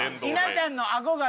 稲ちゃんの。